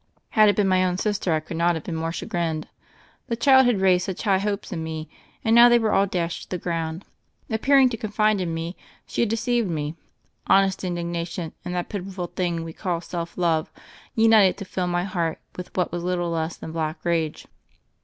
Had it been my own sister, I could not have been more chagrined. The child had raised such high hopes in me, and now they were all dashed to the ground. Appearing to confide in me, she had deceived me. Honest indigna tion and that pitiful thing we call self love united to fill my heart with what was little less than black rage.